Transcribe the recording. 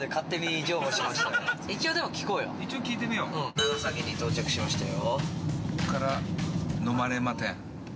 長崎に到着しましたよ。